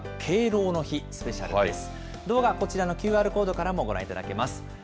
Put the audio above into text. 動画はこちらのＱＲコードからもご覧いただけます。